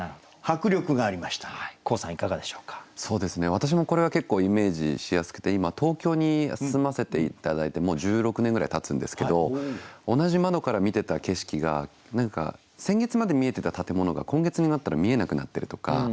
私もこれは結構イメージしやすくて今東京に住ませて頂いてもう１６年ぐらいたつんですけど同じ窓から見てた景色が先月まで見えてた建物が今月になったら見えなくなってるとか。